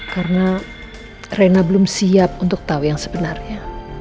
karena rena belum siap untuk tahu yang sebenarnya